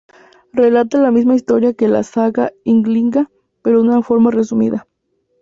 Relata la misma historia que la "saga Ynglinga" pero de una forma resumida.